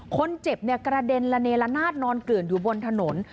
คนเจ็บเนี่ยกระเด็นละเนละนาดนอนเกลื่อนอยู่บนถนน